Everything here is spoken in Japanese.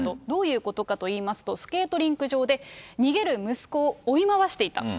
どういうことかといいますと、スケートリンク上で、逃げる息子を追い回していた。